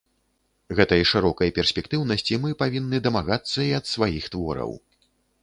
Гэтай шырокай перспектыўнасці мы павінны дамагацца і ад сваіх твораў.